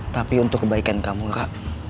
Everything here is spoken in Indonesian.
tapi untuk kebaikan kamu kak